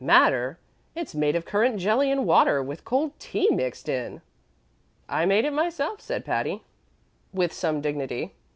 "Matter? It's made of currant jelly and water, with cold tea mixed in." "I made it myself," said Patty, with some dignity.